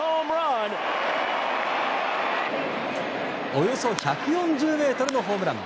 およそ１４０ｍのホームラン。